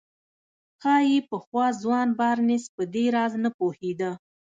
ښايي پخوا ځوان بارنس په دې راز نه پوهېده.